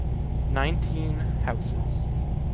Nineteen houses.